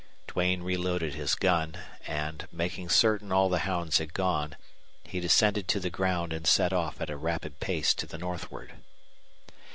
Duane reloaded his gun, and, making certain all the hounds had gone, he descended to the ground and set off at a rapid pace to the northward.